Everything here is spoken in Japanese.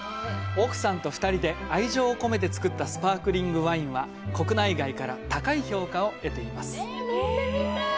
奥さんと２人で愛情をこめて造ったスパークリングワインは国内外から高い評価を得ています。